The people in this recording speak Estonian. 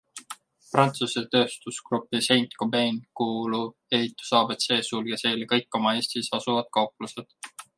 Prantsuse tööstusgruppi Saint-Gobain kuuluv Ehituse ABC sulges eile kõik oma Eestis asuvad kauplused.